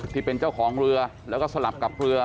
ที่เป็นเจ้าของเรือแล้วก็สลับกับเรือ